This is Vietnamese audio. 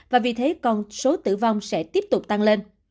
và vì thế còn số tử vong sẽ tiếp tục tăng lên